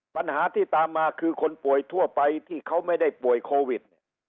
ปัญหาที่ตามมาคือคนป่วยทั่วไปที่เขาไม่ได้ป่วยโควิดเนี่ย